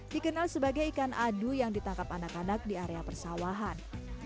dikenal sebagai ikan adu yang ditangkap anak anak di area persawahan